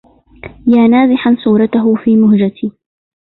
يا نازحا صورته في مهجتي